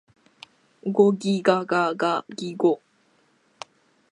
ゴギガガガギゴ